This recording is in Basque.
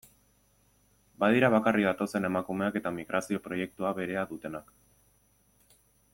Badira bakarrik datozen emakumeak eta migrazio proiektua berea dutenak.